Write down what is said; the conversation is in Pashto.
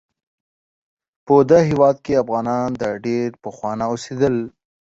په دغه هیواد کې افغانان د ډیر پخوانه اوسیدل